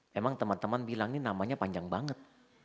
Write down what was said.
memang teman teman bilang ini namanya panjang banget